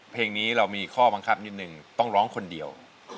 เพลงนี้เรามีข้อบังคับนิดนึงต้องร้องคนเดียว